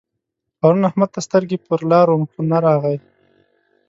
پرون احمد ته سترګې پر لار وم خو نه راغی.